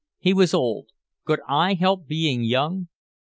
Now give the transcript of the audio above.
He was old. Could I help being young?